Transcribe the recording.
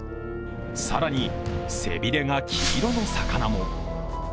更に背びれが黄色の魚も。